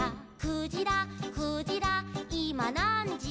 「クジラクジラいまなんじ」